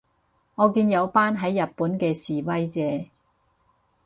我見有班喺日本嘅示威者